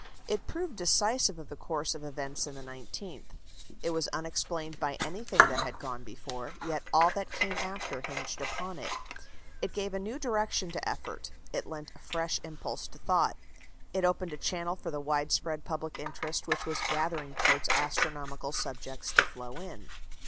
It proved decisive of the course of events in the nineteenth. It was unexplained by anything that had gone before, yet all that came after hinged upon it. It gave a new direction to effort; it lent a fresh impulse to thought. It opened a channel for the widespread public interest which was gathering towards astronomical subjects to flow in."